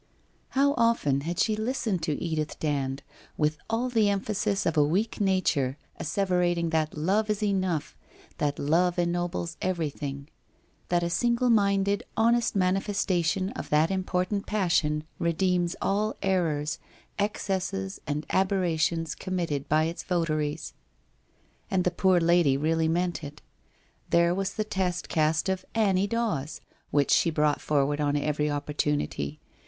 How often had she listened to Edith Dand, with all the emphasis of a weak nature asseverating that Love is enough, that Love ennobles everything, that a single minded, honest manifestation of that important passion redeems all errors, excesses and aberrations committed by its votaries. And the poor lady really meant it. There was the test cast of Annie Dawes, which she brought forward on every opportunity.